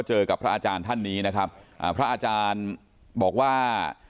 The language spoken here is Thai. เจอกับพระอาจารย์ท่านนี้นะครับอ่าพระอาจารย์บอกว่า